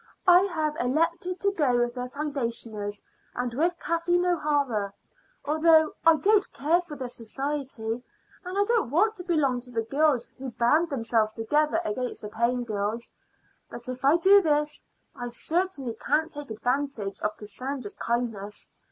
"I have elected to go with the foundationers and with Kathleen O'Hara, although I don't care for the society, and I don't want to belong to the girls who band themselves together against the paying girls. But if I do this I certainly can't take advantage of Cassandra's kindness.